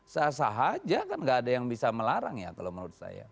sah sah aja kan gak ada yang bisa melarang ya kalau menurut saya